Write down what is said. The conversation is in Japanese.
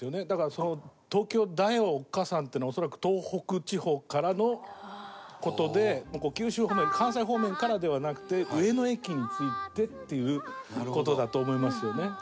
だから、『東京だョおっ母さん』っていうのは恐らく東北地方からの事で九州方面関西方面からではなくて上野駅に着いてっていう事だと思いますよね。